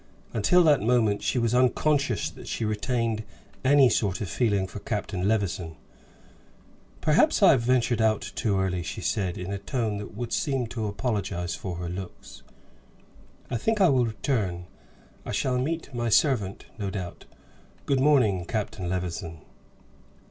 Until that moment she was unconscious that she retained any sort of feeling for Captain Levison. "Perhaps I have ventured out too early," she said, in a tone that would seem to apologize for her looks: "I think I will return. I shall meet my servant, no doubt. Good morning, Captain Levison."